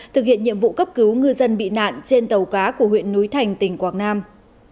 thực hiện nhiệm vụ cấp cứu ngư dân bị nạn trên tàu cá của huyện núi thành tỉnh quảng nam